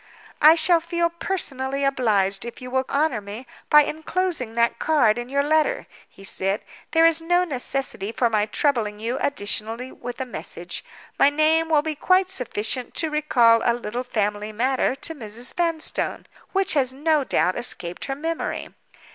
"I shall feel personally obliged if you will honor me by inclosing that card in your letter," he said. "There is no necessity for my troubling you additionally with a message. My name will be quite sufficient to recall a little family matter to Mrs. Vanstone, which has no doubt escaped her memory.